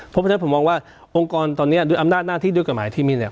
เพราะฉะนั้นผมมองว่าองค์กรตอนนี้ด้วยอำนาจหน้าที่ด้วยกฎหมายที่มีเนี่ย